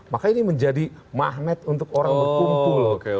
maka ini menjadi magnet untuk orang berkumpul